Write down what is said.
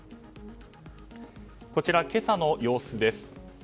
こちらは今朝の様子です。